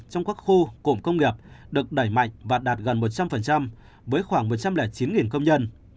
trong các khu cụm công nghiệp được đẩy mạnh và đạt gần một trăm linh với khoảng một trăm linh chín công nhân